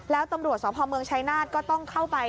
แล้วตำรวจสพเมืองชายนาฏก็ต้องเข้าไป